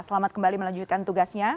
selamat kembali melanjutkan tugasnya